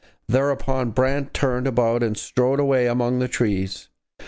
Thereupon Brant turned about and strode away among the trees.